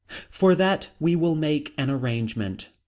For that we will make an arrangement.